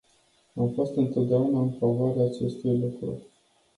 Am fost întotdeauna în favoarea acestui lucru.